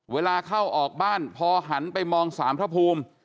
เวลาเข้าออกบ้านพอหันไปมองสามพระภูมิ